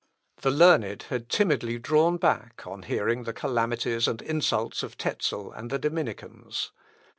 The learned had timidly drawn back on hearing the calamities and insults of Tezel and the Dominicans.